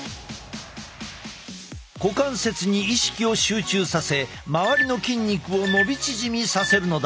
股関節に意識を集中させ周りの筋肉を伸び縮みさせるのだ。